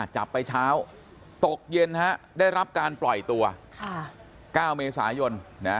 จับไปเช้าตกเย็นได้รับการปล่อยตัว๙เมษายน